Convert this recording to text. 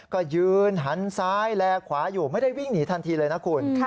ก็ยืนหันซ้ายแลขวาอยู่ไม่ได้วิ่งหนีทันทีเลยนะคุณ